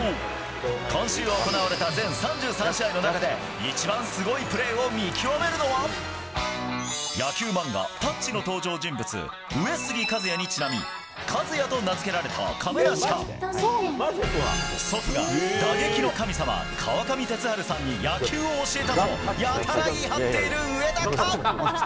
今週行われた全３３試合の中で、一番すごいプレーを見極めるのは、野球漫画、タッチの登場人物、上杉和也にちなみ、和也と名付けられた亀梨か、祖父が、打撃の神様、川上哲治さんに野球を教えたと、やたら言い張っている上田か。